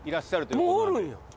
もうおるんや。